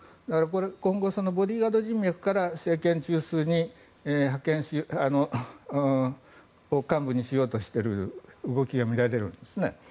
今後、ボディーガード人脈から政権中枢の幹部にしようとしている動きが見られるんですね。